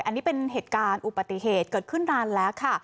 อันนี้เป็นเหตุการณ์อุบัติเหตุเกิดขึ้นนานแล้วค่ะ